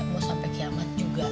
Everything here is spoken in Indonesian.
mau sampe kiamat juga